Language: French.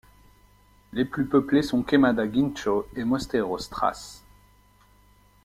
Les plus peuplés sont Queimada-Guincho et Mosteiros-Trás.